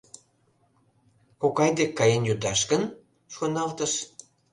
Кокай дек каен йодаш гын?» — шоналтыш.